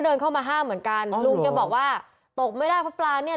เดินเข้ามาห้ามเหมือนกันลุงแกบอกว่าตกไม่ได้เพราะปลาเนี่ย